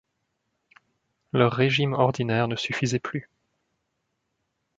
Leur régime ordinaire ne suffisait plus.